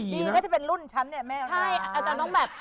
ดีนะถ้าเป็นรุ่นฉันน่ะแม่ร้าง